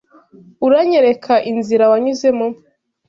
Uranyereka inzira wanyuzemo?